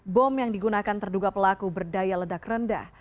bom yang digunakan terduga pelaku berdaya ledak rendah